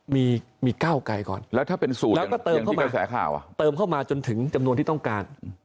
มีก้าวไก่ก่อนแล้วก็เติมเข้ามาจนถึงจำนวนที่ต้องการ